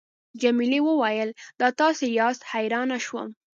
جميلې وويل:: دا تاسي یاست، حیرانه شوم.